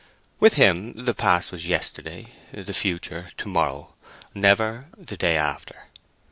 With him the past was yesterday; the future, to morrow; never, the day after.